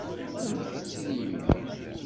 Amek tettili yemma-m?